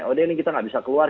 oh deh ini kita tidak bisa keluar